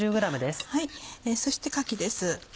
そしてかきです